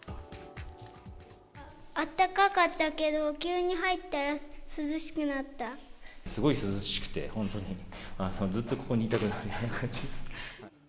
あったかかったけど、急に入すごい涼しくて、本当に、ずっとここにいたくなる感じですね。